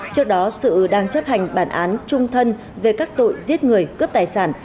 trước đó sự đang chấp hành bản án trung thân về các tội giết người cướp tài sản